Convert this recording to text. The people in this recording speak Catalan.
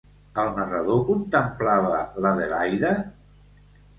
El narrador contemplava l'Adelaida?